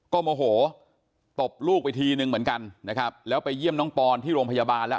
ก็โมโหตบลูกไปทีนึงเหมือนกันนะครับแล้วไปเยี่ยมน้องปอนที่โรงพยาบาลแล้ว